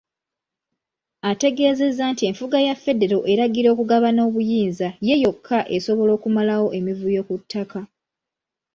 Ategeezezza nti enfuga ya Federo eragira okugabana obuyinza ye yokka esobola okumalawo emivuyo ku ttaka.